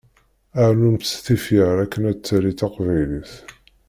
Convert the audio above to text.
Rnumt tifyar akken ad tali teqbaylit.